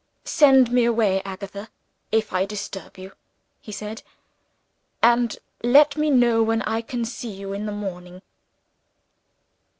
"Send me away, Agatha, if I disturb you," he said, "and let me know when I can see you in the morning."